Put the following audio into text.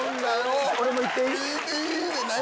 俺も行っていい？